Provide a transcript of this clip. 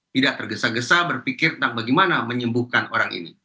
tidak tergesa gesa berpikir tentang bagaimana menyembuhkan orang ini